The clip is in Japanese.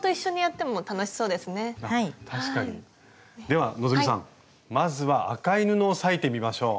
では希さんまずは赤い布を裂いてみましょう。